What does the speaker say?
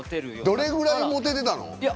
どれぐらいモテてたの？